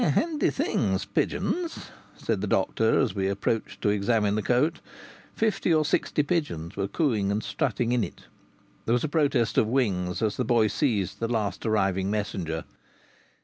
"Handy things, pigeons!" said the doctor as we approached to examine the cote. Fifty or sixty pigeons were cooing and strutting in it. There was a protest of wings as the boy seized the last arriving messenger.